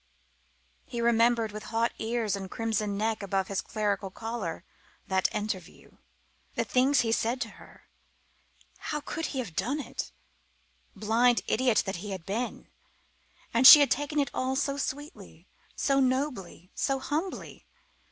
He remembered, with hot ears and neck crimson above his clerical collar, that interview. The things he had said to her! How could he have done it? Blind idiot that he had been! And she had taken it all so sweetly, so nobly, so humbly.